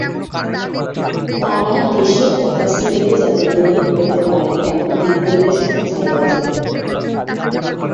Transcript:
তাঁরা দেশে তথা সিলেটে যাতে বিনিয়োগ করতে পারেন তেমন দিকনির্দেশনা চাই বাজেটে।